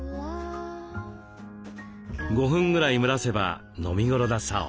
５分ぐらい蒸らせば飲みごろだそう。